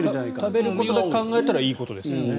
食べることだけ考えたらいいことですよね。